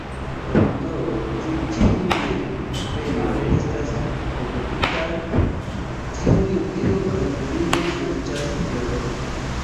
Konduktoro, ĉu ĉiuj kupeoj estas okupitaj? tiuj viro kaj virino serĉas lokon.